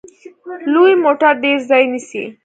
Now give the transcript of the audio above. لوی موټر ډیر ځای نیسي.